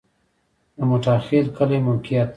د موټاخیل کلی موقعیت